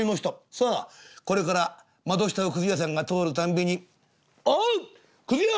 さあこれから窓下をくず屋さんが通るたんびに「おう！くず屋！